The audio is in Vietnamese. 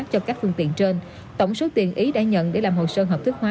cho các phương tiện trên tổng số tiền ý đã nhận để làm hồ sơ hợp thức hóa